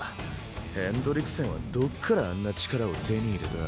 ヘンドリクセンはどっからあんな力を手に入れた？